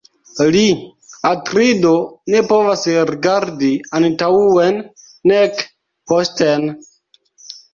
Li, Atrido, ne povas rigardi antaŭen, nek posten.